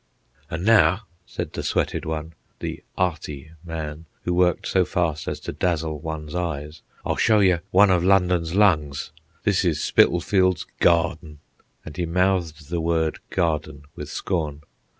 "An' now," said the sweated one, the 'earty man who worked so fast as to dazzle one's eyes, "I'll show you one of London's lungs. This is Spitalfields Garden." And he mouthed the word "garden" with scorn.